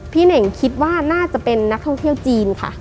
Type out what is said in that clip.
เน่งคิดว่าน่าจะเป็นนักท่องเที่ยวจีนค่ะ